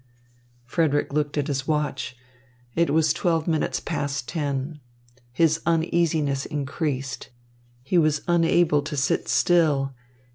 Frederick looked at his watch. It was twelve minutes past ten. His uneasiness increased. He was unable to sit still.